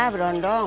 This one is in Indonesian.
ke uang terbisa